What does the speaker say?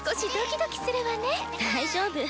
大丈夫。